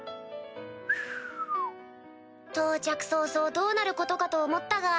到着早々どうなることかと思ったが。